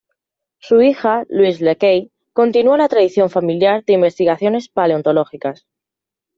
Su hija Louise Leakey continúa la tradición familiar de investigaciones paleontológicas.